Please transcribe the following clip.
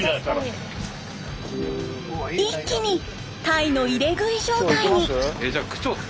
一気に鯛の入れ食い状態に！